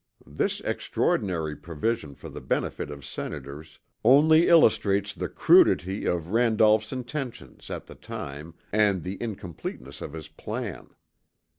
This extraordinary provision for the benefit of Senators only illustrates the crudity of Randolph's intentions at the time and the incompleteness of his plan.